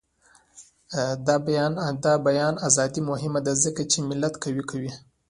د بیان ازادي مهمه ده ځکه چې ملت قوي کوي.